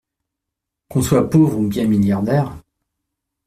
Qu’on soit pauvre ou bien milliardaire…